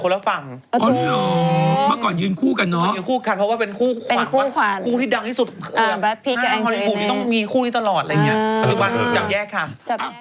แล้วมันจับแยกค่ะ